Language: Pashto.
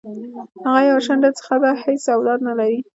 هغه یوه شنډه خځه ده حیڅ اولاد نه لری